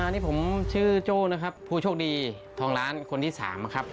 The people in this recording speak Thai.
นี่ผมชื่อโจ้นะครับผู้โชคดีทองล้านคนที่๓นะครับ